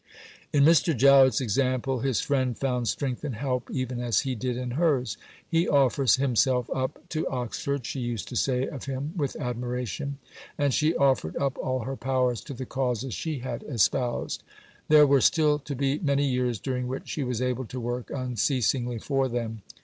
In Mr. Jowett's example, his friend found strength and help, even as he did in hers. "He offers himself up to Oxford," she used to say of him with admiration; and she offered up all her powers to the causes she had espoused. There were still to be many years during which she was able to work unceasingly for them.